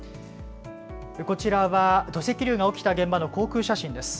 こちらは土石流が起きた現場の航空写真です。